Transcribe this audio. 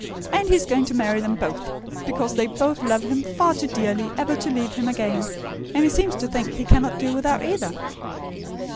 And he is going to marry them both; because they both love him far too dearly ever to leave him again; and he seems to think he cannot do without either."